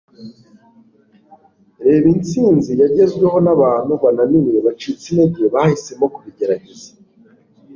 Reba intsinzi yagezweho nabantu bananiwe bacitse intege bahisemo kubigerageza